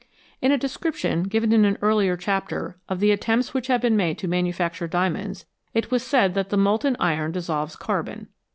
In a description, given in an earlier chapter, of the attempts which have been made to manufacture diamonds, it was said that molten iron dissolves carbon.